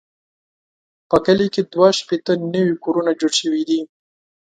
په کلي کې دوه شپېته نوي کورونه جوړ شوي دي.